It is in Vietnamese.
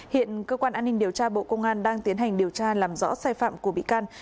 hiện cơ quan an ninh điều tra bộ công an đang tiến hành điều tra làm rõ sai phạm của bị can